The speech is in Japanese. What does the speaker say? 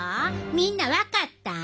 みんな分かった？